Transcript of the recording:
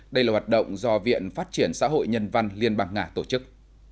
đây là hoạt động do viện phát triển xã hội nhân văn liên bang nga tổ chức